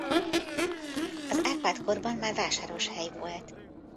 Az Árpád-korban már vásáros hely volt.